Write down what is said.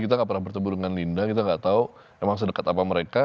kita gak pernah bertemu dengan linda kita nggak tahu emang sedekat apa mereka